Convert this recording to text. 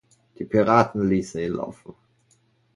Die Piraten ließen ihn laufen.